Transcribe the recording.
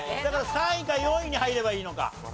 だから３位か４位に入ればいいのか。